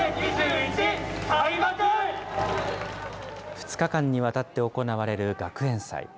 ２日間にわたって行われる学園祭。